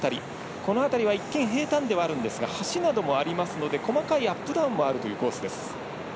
この辺りは一見平たんではあるんですが橋などもあるので細かいアップダウンもあるコースです。